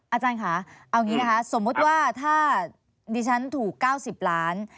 อาจารย์ค่ะเอาอย่างนี้นะคะสมมุติว่าถ้าดิฉันถูก๙๐ล้าน